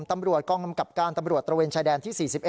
ตำรวจกองกำกับการตำรวจตระเวนชายแดนที่๔๑